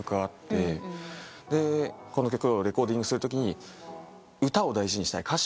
この曲をレコーディングするときに歌を大事にしたい。